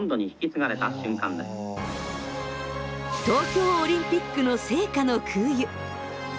東京オリンピックの聖火の空輸。